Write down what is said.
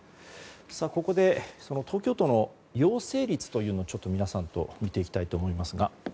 ここで東京都の陽性率を皆さんと見ていきたいと思いますが。